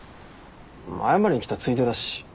謝りに来たついでだし。